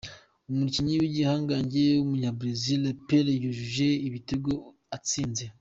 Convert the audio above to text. Umukinnyi w’igihangange w’umunyabrazil Pele, yujuje ibitego atsinze.